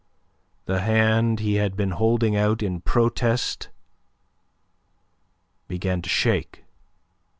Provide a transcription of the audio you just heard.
The hand he had been holding out in protest began to shake.